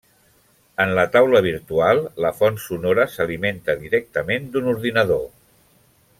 En la taula virtual, la font sonora s’alimenta directament d’un ordinador.